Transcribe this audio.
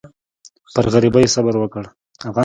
پر غریبۍ یې صبر وکړ.